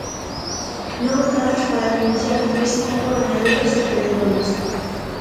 Novos datos para evidenciar que a crise tivo gañadores e perdedores.